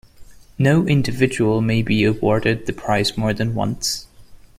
No individual may be awarded the prize more than once.